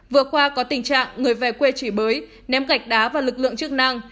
vừa qua có tình trạng người về quê chỉ bới ném gạch đá vào lực lượng chức năng